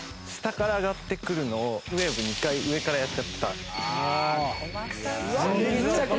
下から上がってくるのをウエーブ２回上からやっちゃってた。